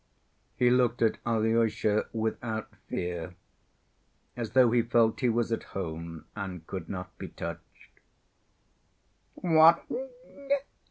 He looked at Alyosha without fear, as though he felt he was at home and could not be touched. "What!